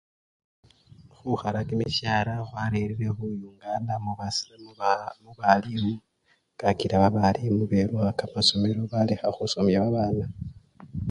Khukhala kimisyaala khwarerire khuyungana muyukanda kakila babalimu belukha kamasomelo mala balekha khusomya babana.